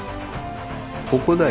ここだよ。